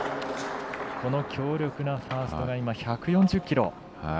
この強力なファーストが１４０キロ。